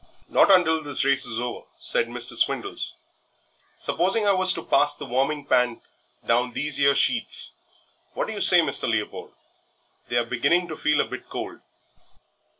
"Not until this race is over," said Mr. Swindles. "Supposing I was to pass the warming pan down these 'ere sheets. What do you say, Mr. Leopold? They are beginning to feel a bit cold."